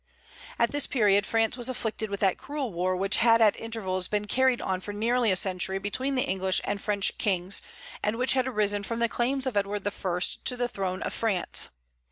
At this period France was afflicted with that cruel war which had at intervals been carried on for nearly a century between the English and French kings, and which had arisen from the claims of Edward I to the throne of France.